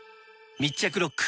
密着ロック！